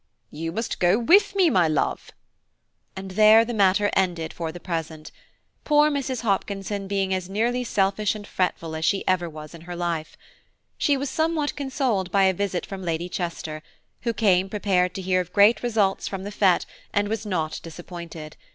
"You must go with me, my love"; and there the matter ended for the present; poor Mrs. Hopkinson being as nearly selfish and fretful as ever she was in her life. She was somewhat consoled by a visit from Lady Chester, who came prepared to hear of great results from the fête, and was not disappointed.